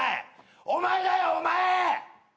お前だよお前！